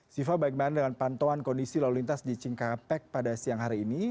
siva bagaimana dengan pantauan kondisi lalu lintas di cikampek pada siang hari ini